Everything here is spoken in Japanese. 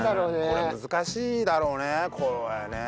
これ難しいだろうねこれね。